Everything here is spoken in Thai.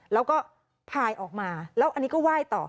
แล้วก็พายออกมาแล้วอันนี้ก็ไหว้ต่อ